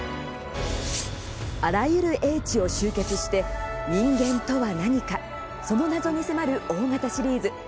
あらゆる英知を集結して人間とは何かその謎に迫る大型シリーズ。